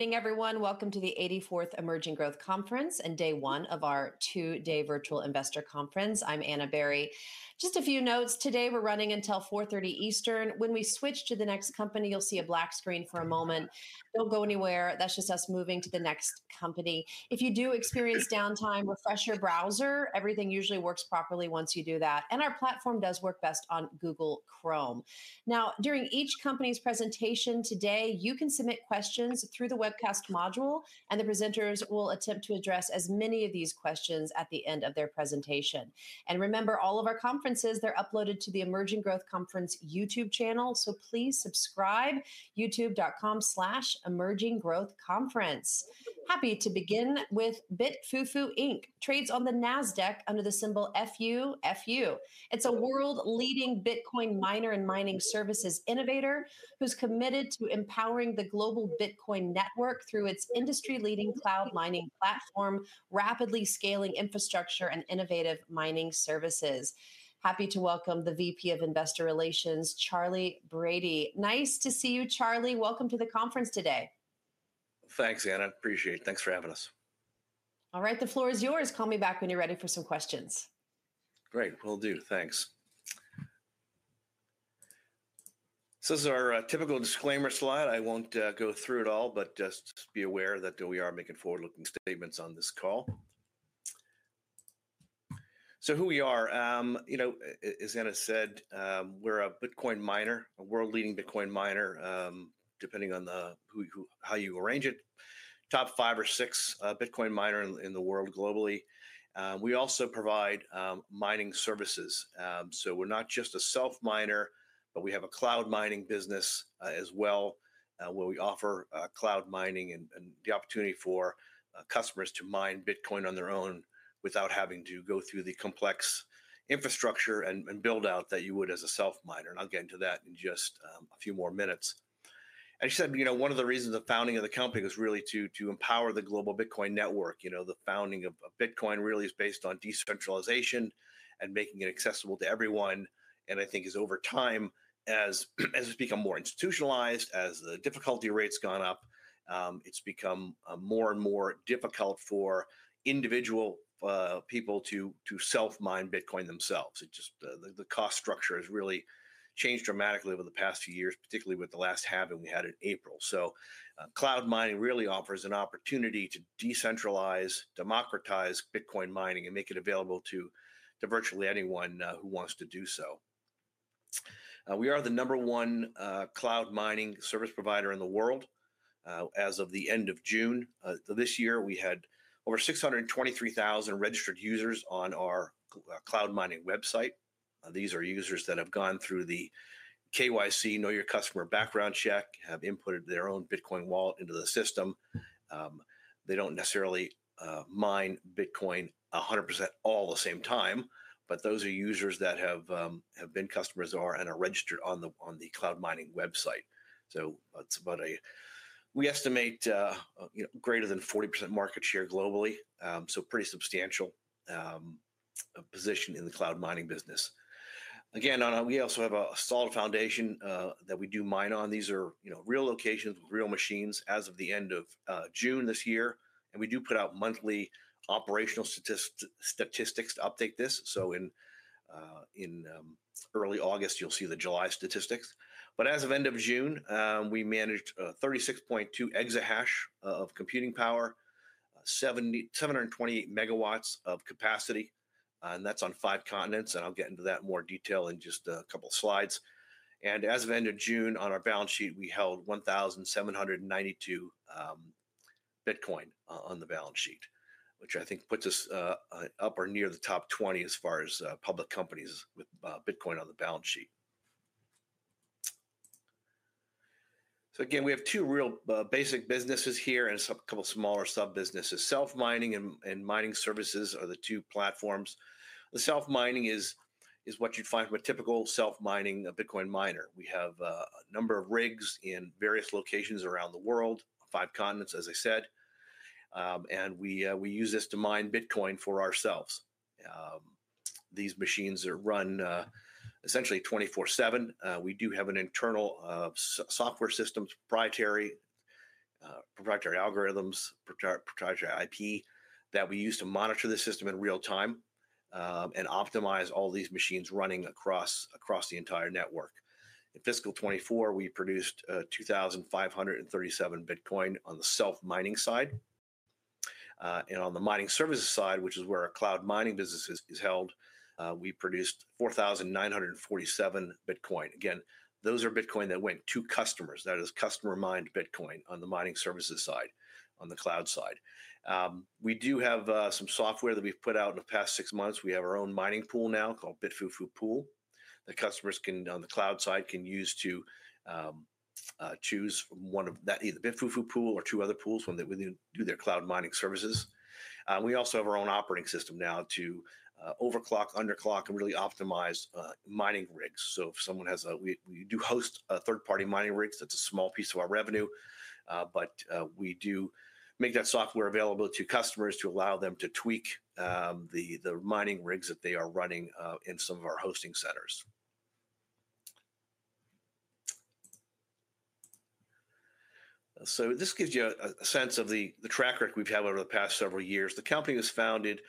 Hey everyone, welcome to the 84th Emerging Growth Conference and day one of our two-day virtual investor conference. I'm Anna Barry. Just a few notes: today we're running until 4:30 P.M. Eastern. When we switch to the next company, you'll see a black screen for a moment. Don't go anywhere; that's just us moving to the next company. If you do experience downtime, refresh your browser. Everything usually works properly once you do that, and our platform does work best on Google Chrome. During each company's presentation today, you can submit questions through the webcast module, and the presenters will attempt to address as many of these questions at the end of their presentation. Remember, all of our conferences, they're uploaded to the Emerging Growth Conference YouTube channel, so please subscribe: youtube.com/emerginggrowthconference. Happy to begin with BitFuFu Inc., trades on the NASDAQ under the symbol FUFU. It's a world-leading Bitcoin miner and mining services innovator who's committed to empowering the global Bitcoin network through its industry-leading cloud mining platform, rapidly scaling infrastructure, and innovative mining services. Happy to welcome the Vice President of Investor Relations, Charlie Brady. Nice to see you, Charlie. Welcome to the conference today. Thanks, Anna. Appreciate it. Thanks for having us. All right, the floor is yours. Call me back when you're ready for some questions. Great, will do. Thanks. This is our typical disclaimer slide. I won't go through it all, but just be aware that we are making forward-looking statements on this call. So who we are, you know, as Anna said, we're a Bitcoin miner, a world-leading Bitcoin miner, depending on how you arrange it. Top five or six Bitcoin miners in the world globally. We also provide mining services. We're not just a self-miner, but we have a cloud mining business as well, where we offer cloud mining and the opportunity for customers to mine Bitcoin on their own without having to go through the complex infrastructure and build-out that you would as a self-miner. I'll get into that in just a few more minutes. As you said, one of the reasons the founding of the company was really to empower the global Bitcoin network. The founding of Bitcoin really is based on decentralization and making it accessible to everyone. I think over time, as it's become more institutionalized, as the difficulty rate's gone up, it's become more and more difficult for individual people to self-mine Bitcoin themselves. The cost structure has really changed dramatically over the past few years, particularly with the last halving we had in April. Cloud mining really offers an opportunity to decentralize, democratize Bitcoin mining, and make it available to virtually anyone who wants to do so. We are the number one cloud mining service provider in the world. As of the end of June this year, we had over 623,000 registered users on our cloud mining website. These are users that have gone through the KYC, know your customer, background check, have inputted their own Bitcoin wallet into the system. They don't necessarily mine Bitcoin 100% all the same time, but those are users that have been customers of ours and are registered on the cloud mining website. It's about a, we estimate, greater than 40% market share globally. Pretty substantial position in the cloud mining business. We also have a solid foundation that we do mine on. These are real locations, real machines, as of the end of June this year. We do put out monthly operational statistics to update this. In early August, you'll see the July statistics. As of the end of June, we managed 36.2 exahash of computing power, 728 MW of capacity, and that's on five continents. I'll get into that in more detail in just a couple of slides. As of the end of June, on our balance sheet, we held 1,792 Bitcoin on the balance sheet, which I think puts us up or near the top 20 as far as public companies with Bitcoin on the balance sheet. We have two real basic businesses here and a couple of smaller sub-businesses. Self-mining and mining services are the two platforms. The self-mining is what you'd find with a typical self-mining Bitcoin miner. We have a number of rigs in various locations around the world, five continents, as I said, and we use this to mine Bitcoin for ourselves. These machines run essentially 24/7. We do have an internal software system, proprietary algorithms, proprietary IP that we use to monitor the system in real time and optimize all these machines running across the entire network. In fiscal 2024, we produced 2,537 Bitcoin on the self-mining side. On the mining services side, which is where our cloud mining business is held, we produced 4,947 Bitcoin. Those are Bitcoin that went to customers. That is customer-mined Bitcoin on the mining services side, on the cloud side. We do have some software that we've put out in the past six months. We have our own mining pool now called BitFuFu Pool that customers on the cloud side can use to choose one of either BitFuFu Pool or two other pools when they do their cloud mining services. We also have our own operating system now to overclock, underclock, and really optimize mining rigs. If someone has, we do host third-party mining rigs. That's a small piece of our revenue, but we do make that software available to customers to allow them to tweak the mining rigs that they are running in some of our hosting centers. This gives you a sense of the track record we've had over the past several years. The company was founded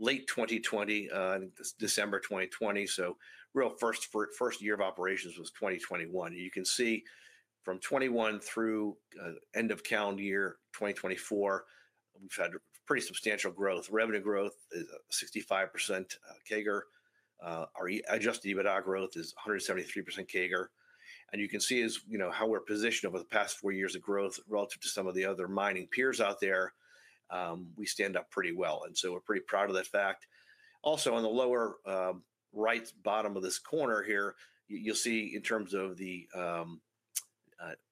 late 2020, in December 2020. The real first year of operations was 2021. You can see from 2021 through the end of calendar year 2024, we've had pretty substantial growth. Revenue growth is 65% CAGR. Our adjusted EBITDA growth is 173% CAGR. You can see how we're positioned over the past four years of growth relative to some of the other mining peers out there. We stand up pretty well. We're pretty proud of that fact. Also, on the lower right bottom of this corner here, you'll see in terms of the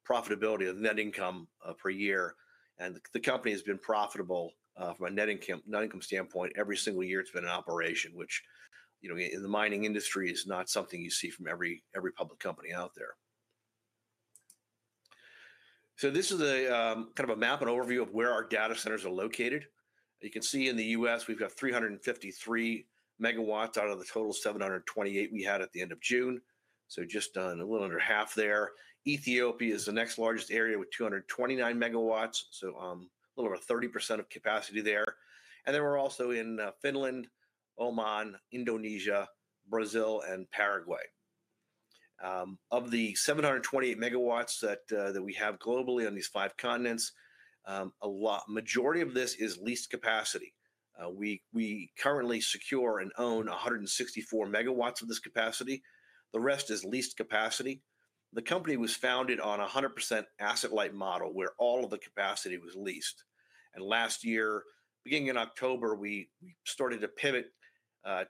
profitability of net income per year. The company has been profitable from a net income standpoint every single year it's been in operation, which, in the mining industry, is not something you see from every public company out there. This is kind of a map and overview of where our data centers are located. You can see in the U.S., we've got 353 MW out of the total 728 we had at the end of June, so just a little under 1/2 there. Ethiopia is the next largest area with 229 MW, a little over 30% of capacity there. We're also in Finland, Oman, Indonesia, Brazil, and Paraguay. Of the 728 MW that we have globally on these five continents, a majority of this is leased capacity. We currently secure and own 164 MW of this capacity. The rest is leased capacity. The company was founded on a 100% asset-light model where all of the capacity was leased. Last year, beginning in October, we started to pivot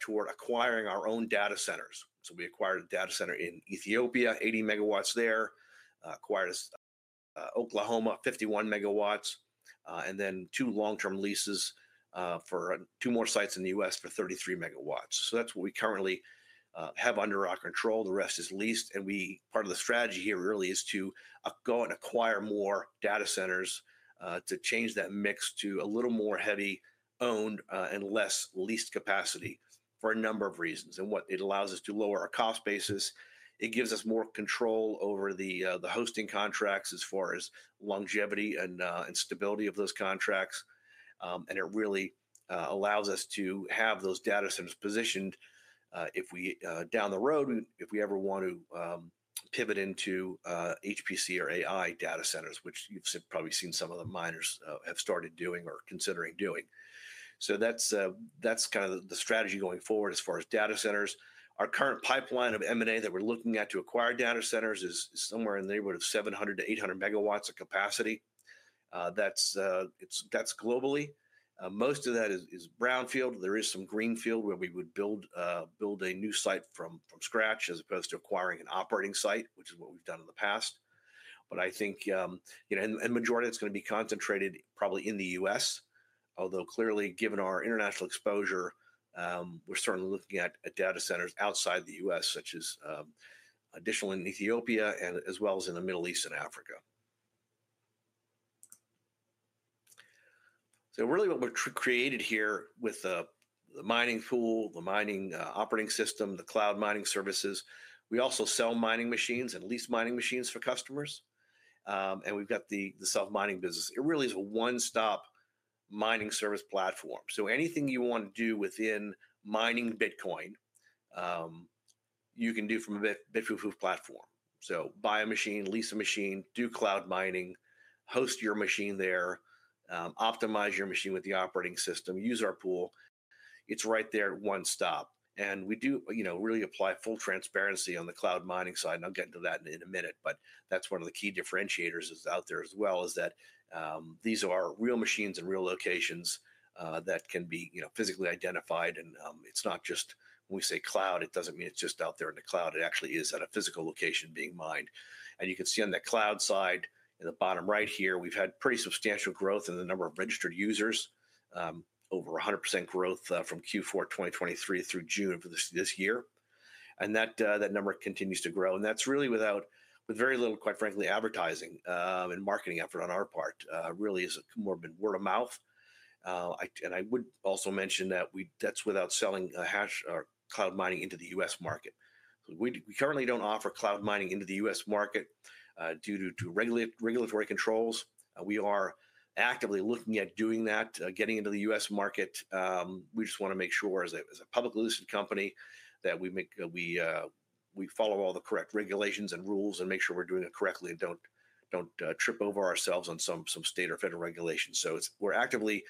toward acquiring our own data centers. We acquired a data center in Ethiopia, 80 MW there, acquired Oklahoma, 51 MW, and then two long-term leases for two more sites in the U.S. for 33 MW. That's what we currently have under our control. The rest is leased. Part of the strategy here is to go and acquire more data centers to change that mix to a little more heavy-owned and less leased capacity for a number of reasons. It allows us to lower our cost basis, gives us more control over the hosting contracts as far as longevity and stability of those contracts, and really allows us to have those data centers positioned if we, down the road, ever want to pivot into HPC or AI data centers, which you've probably seen some of the miners have started doing or considering doing. That's the strategy going forward as far as data centers. Our current pipeline of M&A that we're looking at to acquire data centers is somewhere in the neighborhood of 700-800 MW of capacity globally. Most of that is brownfield. There is some greenfield where we would build a new site from scratch as opposed to acquiring an operating site, which is what we've done in the past. The majority of it's going to be concentrated probably in the U.S. Although, clearly, given our international exposure, we're certainly looking at data centers outside the U.S., such as additional in Ethiopia as well as in the Middle East and Africa. What we've created here with the mining pool, the mining operating system, the cloud mining services, we also sell mining machines and lease mining machines for customers. We've got the self-mining business. It really is a one-stop mining service platform. Anything you want to do within mining Bitcoin, you can do from a BitFuFu platform. Buy a machine, lease a machine, do cloud mining, host your machine there, optimize your machine with the operating system, use our pool. It's right there, one stop. We really apply full transparency on the cloud mining side. I'll get into that in a minute. That's one of the key differentiators that's out there as well, that these are real machines in real locations that can be physically identified. When we say cloud, it doesn't mean it's just out there in the cloud. It actually is at a physical location being mined. You can see on the cloud side in the bottom right here, we've had pretty substantial growth in the number of registered users, over 100% growth from Q4 2023 through June of this year. That number continues to grow. That's really with very little, quite frankly, advertising and marketing effort on our part. It really is more of a word of mouth. I would also mention that that's without selling cloud mining into the U.S. market. We currently don't offer cloud mining into the U.S. market due to regulatory controls. We are actively looking at doing that, getting into the U.S. market. We just want to make sure as a publicly listed company that we follow all the correct regulations and rules and make sure we're doing it correctly and don't trip over ourselves on some state or federal regulations. We are actively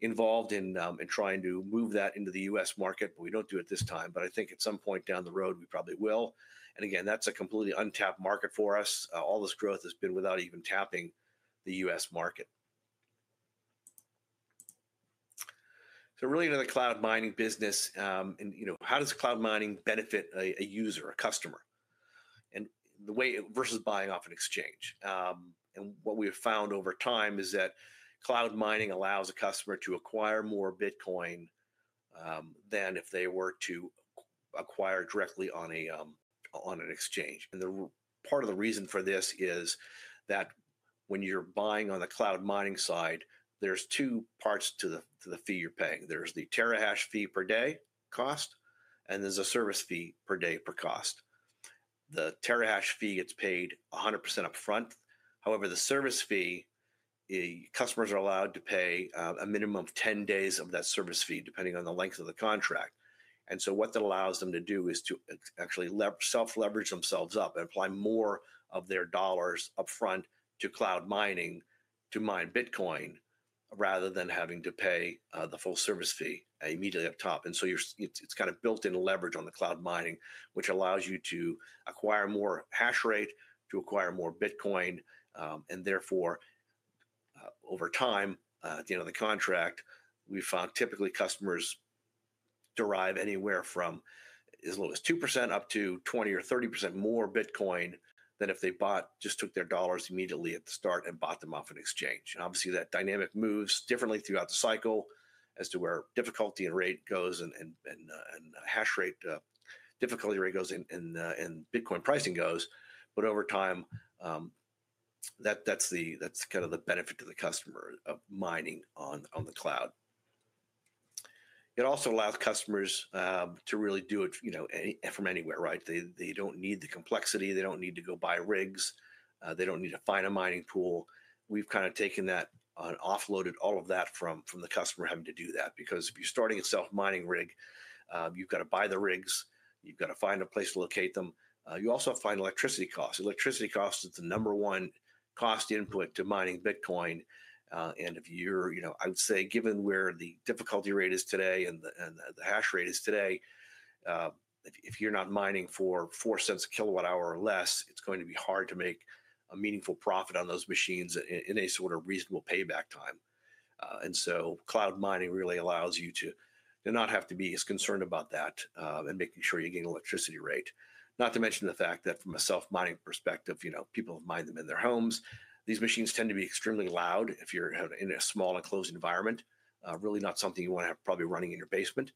involved in trying to move that into the U.S. market, but we don't do it at this time. I think at some point down the road, we probably will. That's a completely untapped market for us. All this growth has been without even tapping the U.S. market. Really into the cloud mining business and how does the cloud mining benefit a user, a customer versus buying off an exchange? What we have found over time is that cloud mining allows a customer to acquire more Bitcoin than if they were to acquire directly on an exchange. Part of the reason for this is that when you're buying on the cloud mining side, there's two parts to the fee you're paying. There's the terahash fee per day cost, and there's a service fee per day per cost. The terahash fee gets paid 100% upfront. However, the service fee, customers are allowed to pay a minimum of 10 days of that service fee, depending on the length of the contract. What that allows them to do is to actually self-leverage themselves up and apply more of their dollars upfront to cloud mining to mine Bitcoin rather than having to pay the full service fee immediately up top. It's kind of built-in leverage on the cloud mining, which allows you to acquire more hash rate, to acquire more Bitcoin. Therefore, over time, at the end of the contract, we've found typically customers derive anywhere from as little as 2% up to 20% or 30% more Bitcoin than if they just took their dollars immediately at the start and bought them off an exchange. Obviously, that dynamic moves differently throughout the cycle as to where difficulty and rate goes and hash rate difficulty rate goes and Bitcoin pricing goes. Over time, that's kind of the benefit to the customer of mining on the cloud. It also allows customers to really do it from anywhere, right? They don't need the complexity. They don't need to go buy rigs. They don't need to find a mining pool. We've kind of taken that and offloaded all of that from the customer having to do that. If you're starting a self-mining rig, you've got to buy the rigs. You've got to find a place to locate them. You also have to find electricity costs. Electricity costs are the number one cost input to mining Bitcoin. I would say given where the difficulty rate is today and the hash rate is today, if you're not mining for $0.04 a kW hour or less, it's going to be hard to make a meaningful profit on those machines in any sort of reasonable payback time. Cloud mining really allows you to not have to be as concerned about that and making sure you're getting an electricity rate. Not to mention the fact that from a self-mining perspective, people have mined them in their homes. These machines tend to be extremely loud if you're in a small enclosed environment. Really not something you want to have probably running in your basement.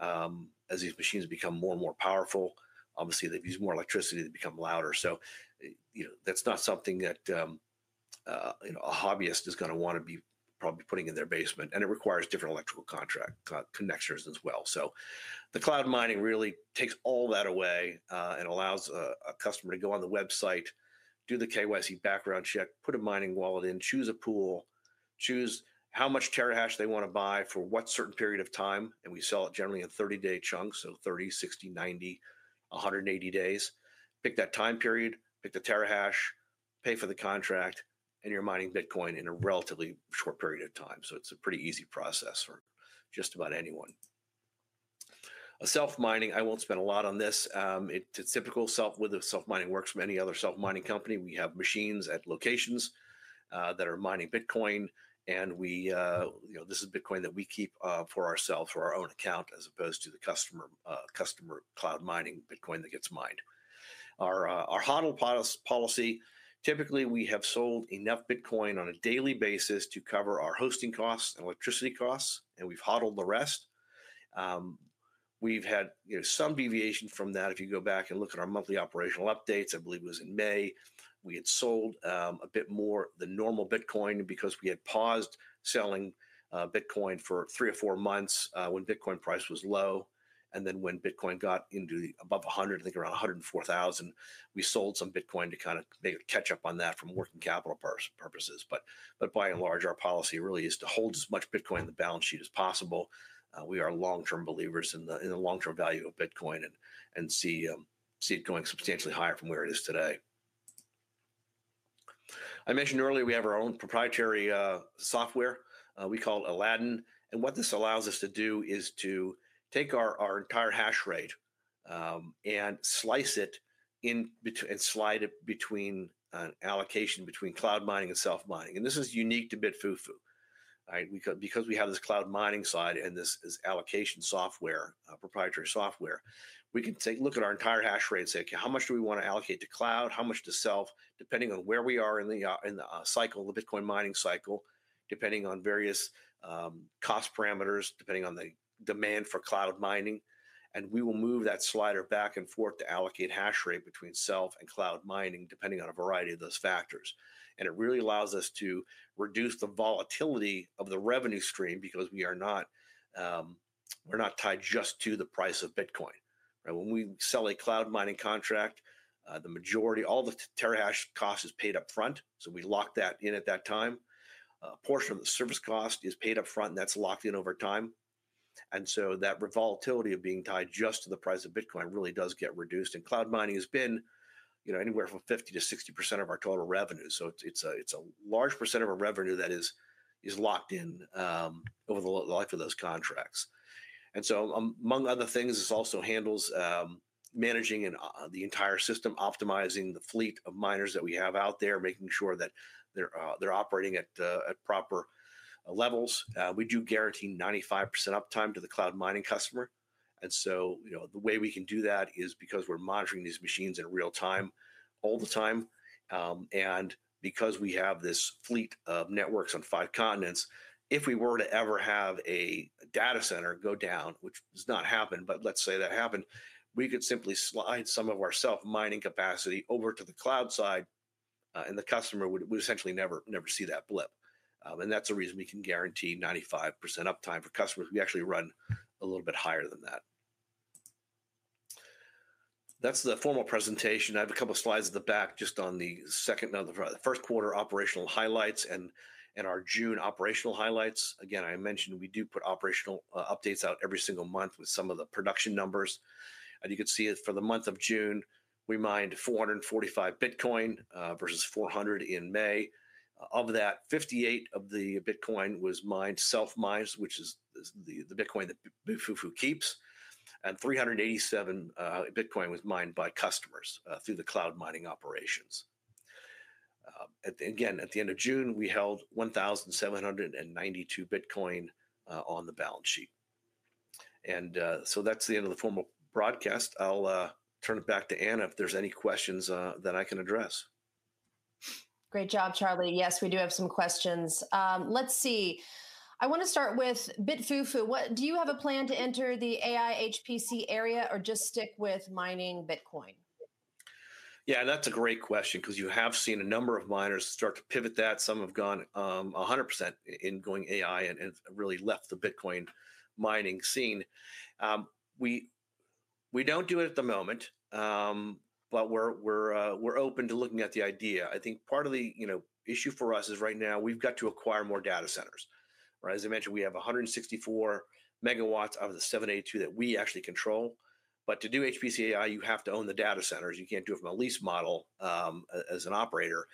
As these machines become more and more powerful, obviously they use more electricity, they become louder. That's not something that a hobbyist is going to want to be probably putting in their basement. It requires different electrical contract connectors as well. The cloud mining really takes all that away and allows a customer to go on the website, do the KYC background check, put a mining wallet in, choose a pool, choose how much terahash they want to buy for what certain period of time. We sell it generally in 30-day chunks, so 30, 60, 90, 180 days. Pick that time period, pick the terahash, pay for the contract, and you're mining Bitcoin in a relatively short period of time. It's a pretty easy process for just about anyone. Self-mining, I won't spend a lot on this. It's typical with self-mining works from any other self-mining company. We have machines at locations that are mining Bitcoin. This is Bitcoin that we keep for ourselves for our own account as opposed to the customer cloud mining Bitcoin that gets mined. Our HODL policy, typically we have sold enough Bitcoin on a daily basis to cover our hosting costs and electricity costs, and we've HODLed the rest. We've had some deviation from that. If you go back and look at our monthly operational updates, I believe it was in May, we had sold a bit more than normal Bitcoin because we had paused selling Bitcoin for three or four months when Bitcoin price was low. When Bitcoin got into above 100,000, I think around 104,000, we sold some Bitcoin to kind of make it catch up on that from working capital purposes. By and large, our policy really is to hold as much Bitcoin in the balance sheet as possible. We are long-term believers in the long-term value of Bitcoin and see it going substantially higher from where it is today. I mentioned earlier, we have our own proprietary software we call Aladdin. What this allows us to do is to take our entire hash rate and slice it in between and slide it between an allocation between cloud mining and self-mining. This is unique to BitFuFu. Because we have this cloud mining side and this allocation software, proprietary software, we can take a look at our entire hash rate and say, okay, how much do we want to allocate to cloud, how much to self, depending on where we are in the cycle, the Bitcoin mining cycle, depending on various cost parameters, depending on the demand for cloud mining. We will move that slider back and forth to allocate hash rate between self and cloud mining, depending on a variety of those factors. It really allows us to reduce the volatility of the revenue stream because we're not tied just to the price of Bitcoin. When we sell a cloud mining contract, the majority, all the terahash cost is paid up front. We lock that in at that time. A portion of the service cost is paid up front and that's locked in over time. That volatility of being tied just to the price of Bitcoin really does get reduced. Cloud mining has been anywhere from 50%-60% of our total revenue. It's a large percent of our revenue that is locked in over the life of those contracts. Among other things, this also handles managing the entire system, optimizing the fleet of miners that we have out there, making sure that they're operating at proper levels. We do guarantee 95% uptime to the cloud mining customer. The way we can do that is because we're monitoring these machines in real time all the time. Because we have this fleet of networks on five continents, if we were to ever have a data center go down, which does not happen, but let's say that happened, we could simply slide some of our self-mining capacity over to the cloud side and the customer would essentially never see that blip. That's a reason we can guarantee 95% uptime for customers. We actually run a little bit higher than that. That's the formal presentation. I have a couple of slides at the back just on the second of the first quarter operational highlights and our June operational highlights. I mentioned we do put operational updates out every single month with some of the production numbers. You can see that for the month of June, we mined 445 Bitcoin versus 400 in May. Of that, 58 of the Bitcoin was self-mined, which is the Bitcoin that BitFuFu keeps, and 387 Bitcoin was mined by customers through the cloud mining operations. At the end of June, we held 1,792 Bitcoin on the balance sheet. That's the end of the formal broadcast. I'll turn it back to Anna if there's any questions that I can address. Great job, Charlie. Yes, we do have some questions. Let's see. I want to start with BitFuFu. Do you have a plan to enter the AI HPC area or just stick with mining Bitcoin? Yeah, and that's a great question because you have seen a number of miners start to pivot that. Some have gone 100% in going AI and really left the Bitcoin mining scene. We don't do it at the moment, but we're open to looking at the idea. I think part of the issue for us is right now we've got to acquire more data centers. As I mentioned, we have 164 MW out of the 782 that we actually control. To do HPC AI, you have to own the data centers. You can't do it from a lease model as an operator.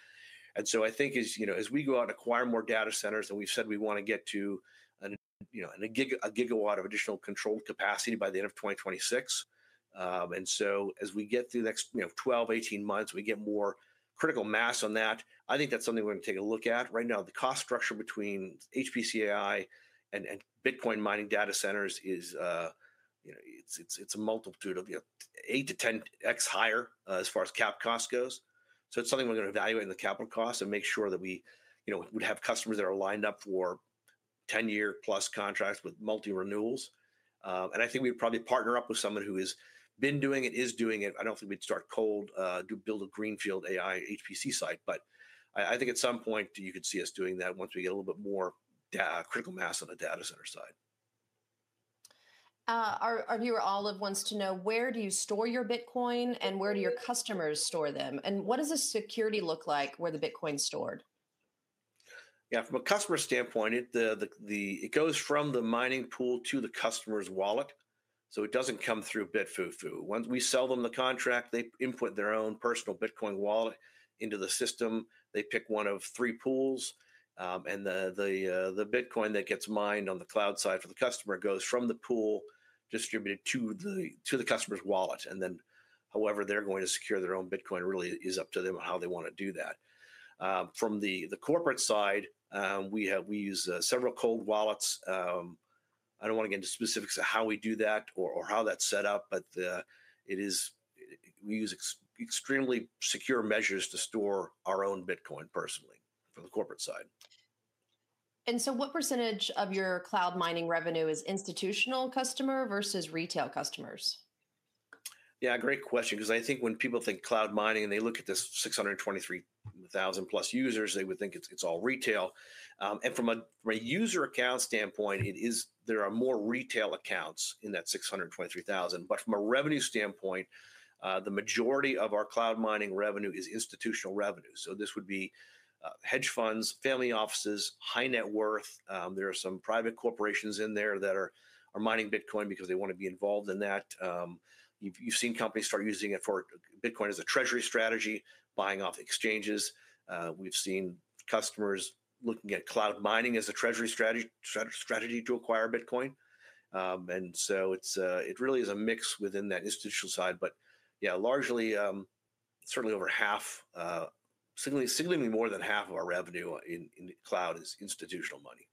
I think as we go out and acquire more data centers, and we've said we want to get to a gigawatt of additional controlled capacity by the end of 2026. As we get to the next 12-18 months, we get more critical mass on that. I think that's something we're going to take a look at. Right now, the cost structure between HPC AI and Bitcoin mining data centers is a multitude of 8x-10x higher as far as cap cost goes. It's something we're going to evaluate in the capital cost and make sure that we would have customers that are lined up for 10+ year contracts with multi-renewals. I think we'd probably partner up with someone who has been doing it, is doing it. I don't think we'd start cold, build a Greenfield AI HPC site. I think at some point you could see us doing that once we get a little bit more critical mass on the data center side. Our viewer, Olive, wants to know, where do you store your Bitcoin and where do your customers store them? What does security look like where the Bitcoin is stored? Yeah, from a customer standpoint, it goes from the mining pool to the customer's wallet. It doesn't come through BitFuFu. Once we sell them the contract, they input their own personal Bitcoin wallet into the system. They pick one of three pools. The Bitcoin that gets mined on the cloud side for the customer goes from the pool, distributed to the customer's wallet. However they're going to secure their own Bitcoin really is up to them, how they want to do that. From the corporate side, we use several cold wallets. I don't want to get into specifics of how we do that or how that's set up, but we use extremely secure measures to store our own Bitcoin personally for the corporate side. What percentage of your cloud mining revenue is institutional customer versus retail customers? Yeah, great question, because I think when people think cloud mining and they look at this 623,000+ users, they would think it's all retail. From a user account standpoint, there are more retail accounts in that 623,000. From a revenue standpoint, the majority of our cloud mining revenue is institutional revenue. This would be hedge funds, family offices, high net worth. There are some private corporations in there that are mining Bitcoin because they want to be involved in that. You've seen companies start using it for Bitcoin as a treasury strategy, buying off exchanges. We've seen customers looking at cloud mining as a treasury strategy to acquire Bitcoin. It really is a mix within that institutional side. Largely, certainly over 1/2, significantly more than 1/2 of our revenue in cloud is institutional money.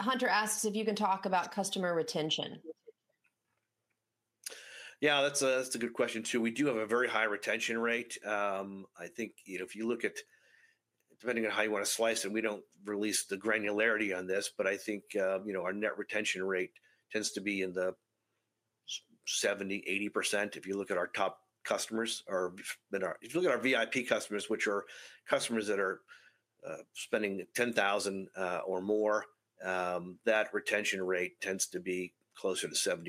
Hunter asks if you can talk about customer retention. Yeah, that's a good question too. We do have a very high retention rate. I think if you look at, depending on how you want to slice it, we don't release the granularity on this, but I think our net retention rate tends to be in the 70%-80%. If you look at our top customers, or if you look at our VIP customers, which are customers that are spending $10,000 or more, that retention rate tends to be closer to 70%.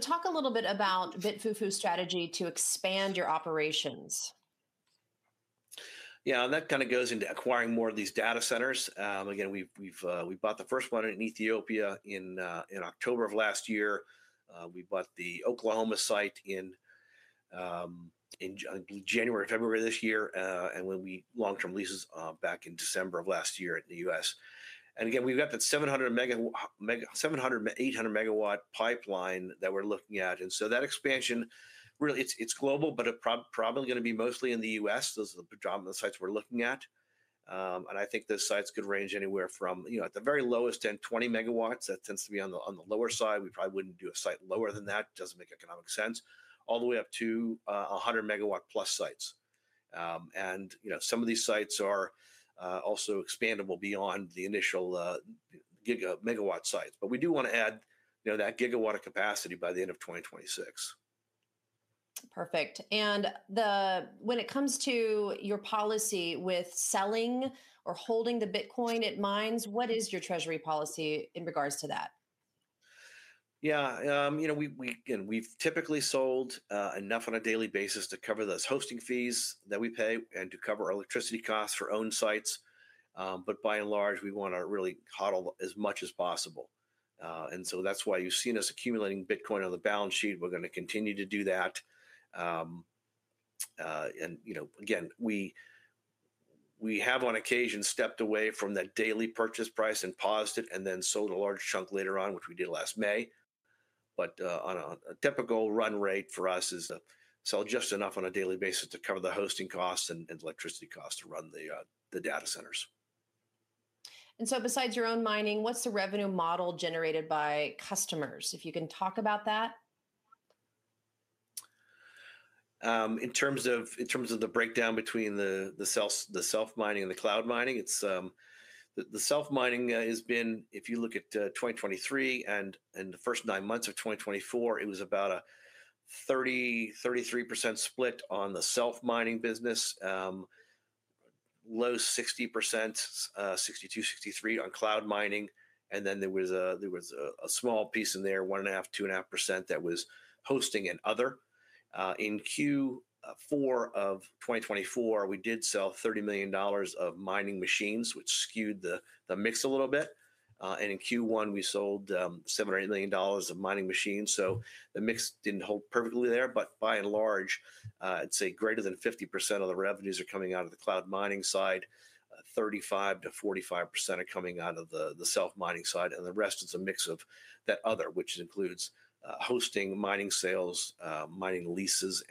Talk a little bit about BitFuFu's strategy to expand your operations. Yeah, and that kind of goes into acquiring more of these data centers. We bought the first one in Ethiopia in October of last year. We bought the Oklahoma site in January or February of this year. We did long-term leases back in December of last year in the U.S. We've got that 700-800 MW pipeline that we're looking at. That expansion, really, it's global, but it's probably going to be mostly in the U.S. Those are the sites we're looking at. I think those sites could range anywhere from, you know, at the very lowest end, 20 MW. That tends to be on the lower side. We probably wouldn't do a site lower than that. It doesn't make economic sense. All the way up to 100+ MW sites. Some of these sites are also expandable beyond the initial gigawatt sites. We do want to add that gigawatt of capacity by the end of 2026. Perfect. When it comes to your policy with selling or holding the Bitcoin it mines, what is your treasury policy in regards to that? Yeah, you know, we've typically sold enough on a daily basis to cover those hosting fees that we pay and to cover electricity costs for owned sites. By and large, we want to really HODL as much as possible. That's why you've seen us accumulating Bitcoin on the balance sheet. We're going to continue to do that. We have on occasion stepped away from that daily purchase price and paused it and then sold a large chunk later on, which we did last May. On a typical run rate for us is to sell just enough on a daily basis to cover the hosting costs and electricity costs to run the data centers. Besides your own mining, what's the revenue model generated by customers? If you can talk about that? In terms of the breakdown between the self-mining and the cloud mining, the self-mining has been, if you look at 2023 and the first nine months of 2024, it was about a 33% split on the self-mining business, low 60%, 62%, 63% on cloud mining. There was a small piece in there, 1.5%, 2.5% that was hosting and other. In Q4 of 2024, we did sell 30 million dollars of mining machines, which skewed the mix a little bit. In Q1, we sold 7 million dollars of mining machines. The mix didn't hold perfectly there, but by and large, I'd say greater than 50% of the revenues are coming out of the cloud mining side. 35%-45% are coming out of the self-mining side. The rest is a mix of that other, which includes hosting, miner sales, mining leases,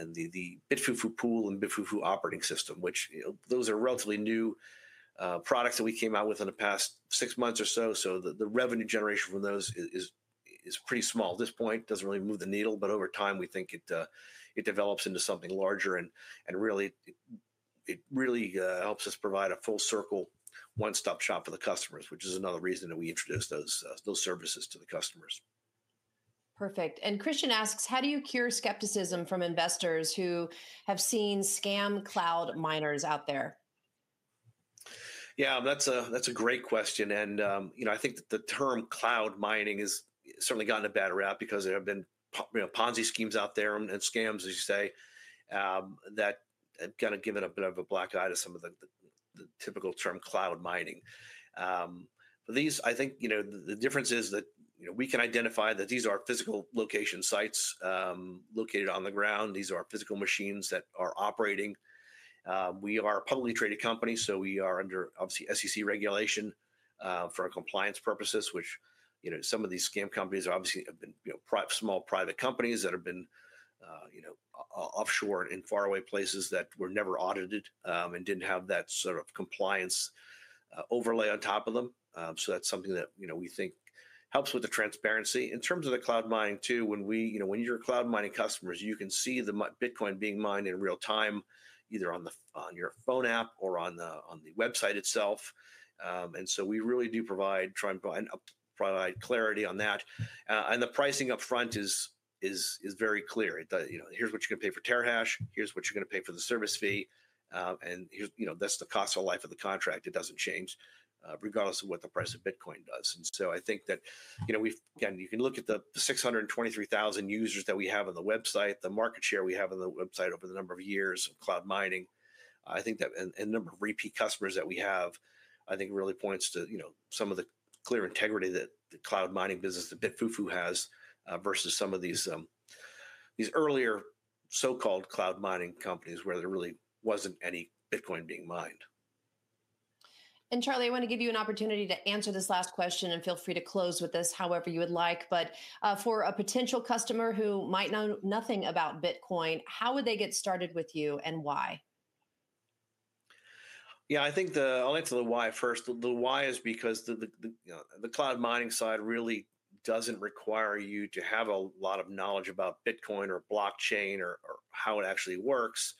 and the BitFuFu Pool and BitFuFu operating system, which those are relatively new products that we came out with in the past six months or so. The revenue generation from those is pretty small at this point. It doesn't really move the needle, but over time we think it develops into something larger and really helps us provide a full circle one-stop shop for the customers, which is another reason that we introduce those services to the customers. Perfect. Christian asks, how do you cure skepticism from investors who have seen scam cloud miners out there? Yeah, that's a great question. I think that the term cloud mining has certainly gone a bad route because there have been Ponzi schemes out there and scams, as you say, that have kind of given a bit of a black eye to some of the typical term cloud mining. I think the difference is that we can identify that these are physical location sites located on the ground. These are physical machines that are operating. We are a publicly traded company, so we are under obviously SEC regulation for our compliance purposes, which some of these scam companies obviously have been small private companies that have been offshored in faraway places that were never audited and didn't have that sort of compliance overlay on top of them. That's something that we think helps with the transparency. In terms of the cloud mining too, when you're a cloud mining customer, you can see the Bitcoin being mined in real time, either on your phone app or on the website itself. We really do try and provide clarity on that. The pricing upfront is very clear. Here's what you're going to pay for terahash, here's what you're going to pay for the service fee, and that's the cost of life of the contract. It doesn't change regardless of what the price of Bitcoin does. I think that you can look at the 623,000 users that we have on the website, the market share we have on the website over the number of years of cloud mining. I think that, and the number of repeat customers that we have, I think really points to some of the clear integrity that the cloud mining business that BitFuFu has versus some of these earlier so-called cloud mining companies where there really wasn't any Bitcoin being mined. Charlie, I want to give you an opportunity to answer this last question and feel free to close with this however you would like. For a potential customer who might know nothing about Bitcoin, how would they get started with you and why? Yeah, I think I'll answer the why first. The why is because the cloud mining side really doesn't require you to have a lot of knowledge about Bitcoin or blockchain or how it actually works.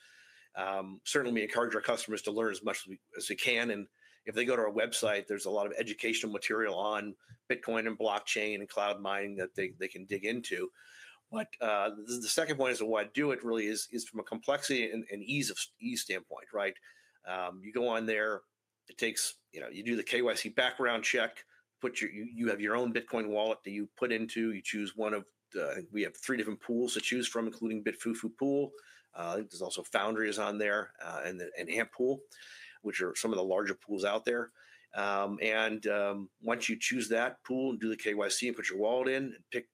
Certainly, we encourage our customers to learn as much as we can. If they go to our website, there's a lot of educational material on Bitcoin and blockchain and cloud mining that they can dig into. The second point is why do it really is from a complexity and ease standpoint, right? You go on there, it takes, you know, you do the KYC background check, you have your own Bitcoin wallet that you put into, you choose one of, we have three different pools to choose from, including BitFuFu Pool. I think there's also Foundry is on there and Amp Pool, which are some of the larger pools out there. Once you choose that pool and do the KYC and put your wallet in, pick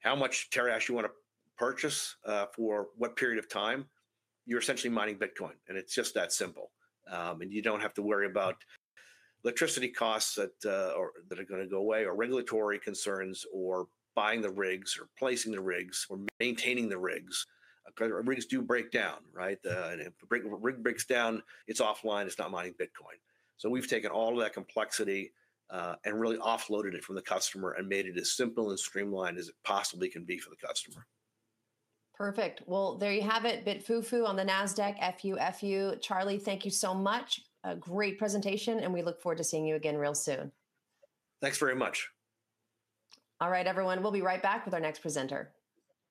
how much terahash you want to purchase for what period of time, you're essentially mining Bitcoin. It's just that simple. You don't have to worry about electricity costs that are going to go away or regulatory concerns or buying the rigs or placing the rigs or maintaining the rigs. Rigs do break down, right? If a rig breaks down, it's offline, it's not mining Bitcoin. We've taken all of that complexity and really offloaded it from the customer and made it as simple and streamlined as it possibly can be for the customer. Perfect. There you have it, BitFuFu on the NASDAQ FUFU. Charlie, thank you so much. A great presentation, and we look forward to seeing you again real soon. Thanks very much. All right, everyone, we'll be right back with our next presenter.